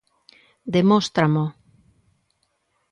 Demóstramo.